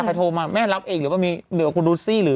ใครโทรมาแม่รับเอกหรือมีคุณรูซสี่